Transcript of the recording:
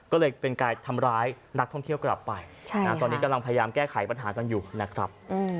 ก็เลยเป็นการทำร้ายนักท่องเที่ยวกลับไปตอนนี้กำลังพยายามแก้ไขปัญหากันอยู่นะครับ